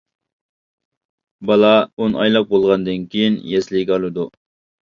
بالا ئون ئايلىق بولغاندىن كېيىن يەسلىگە ئالىدۇ.